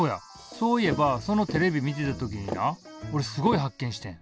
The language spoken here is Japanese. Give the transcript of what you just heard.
そういえばそのテレビ見てた時になおれすごい発見してん。